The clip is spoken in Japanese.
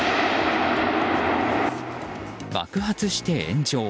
爆発して炎上。